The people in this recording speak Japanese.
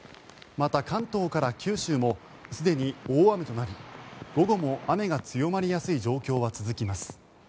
また、関東から九州もすでに大雨となり午後も雨が強まりやすい状況は続きます。